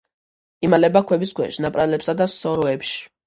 იმალება ქვების ქვეშ, ნაპრალებსა და სოროებში.